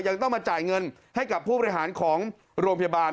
ยังต้องมาจ่ายเงินให้กับผู้บริหารของโรงพยาบาล